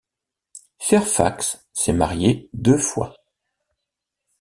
Fairfax s'est marié deux fois.